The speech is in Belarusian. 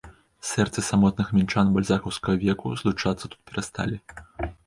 Сэрцы самотных мінчан бальзакаўскага веку злучацца тут перасталі.